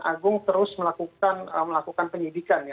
agung terus melakukan penyidikan